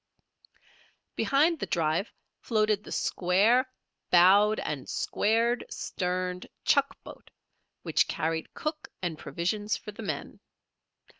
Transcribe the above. Behind the drive floated the square bowed and square sterned chuck boat, which carried cook and provisions for the men.